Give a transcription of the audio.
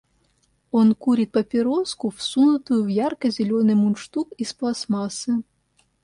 Он курит папироску, всунутую в ярко-зеленый мундштук из пластмассы.